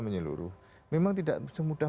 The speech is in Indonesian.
menyeluruh memang tidak semudah